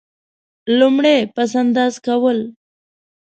لومړی: پس انداز کول.